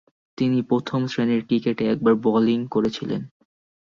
তিনি প্রথম শ্রেণির ক্রিকেটে একবার বোলিং করেছিলেন।